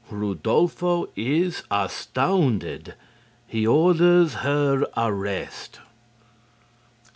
Rudolpho is astounded. He orders her arrest.